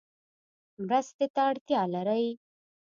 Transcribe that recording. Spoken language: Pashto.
مرستې ته اړتیا لری؟